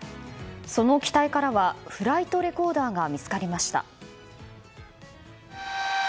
その機体からはフライトレコーダーが見つかりました。